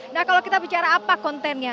nah kalau kita bicara apa kontennya